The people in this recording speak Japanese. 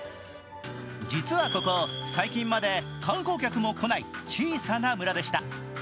実はここ、最近まで観光客も来ない小さな村でした。